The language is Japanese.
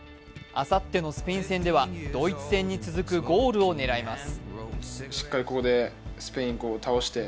あさってのスペイン戦ではドイツ戦に続くゴールを狙います。